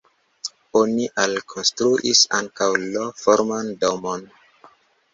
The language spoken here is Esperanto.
Oni alkonstruis ankaŭ L-forman domon.